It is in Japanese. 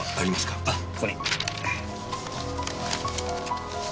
あっここに。